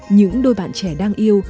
những đôi bạn trẻ đang yêu